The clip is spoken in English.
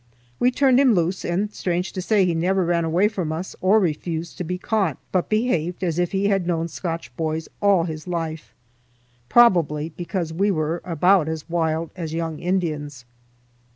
We turned him loose, and, strange to say, he never ran away from us or refused to be caught, but behaved as if he had known Scotch boys all his life; probably because we were about as wild as young Indians.